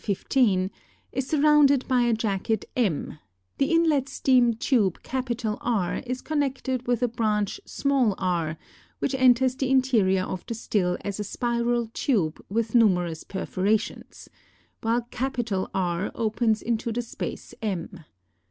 15) is surrounded by a jacket M; the inlet steam tube R is connected with a branch r which enters the interior of the still as a spiral tube with numerous perforations, while R opens into the space M.